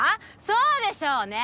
そうでしょうね！